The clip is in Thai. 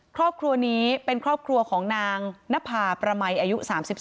ครอบครัวนี้เป็นครอบครัวของนางนภาประมัยอายุ๓๒